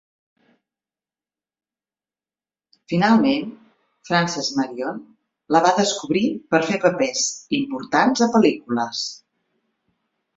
Finalment, Frances Marion la va descobrir per fer papers importants a pel·lícules.